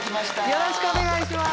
よろしくお願いします。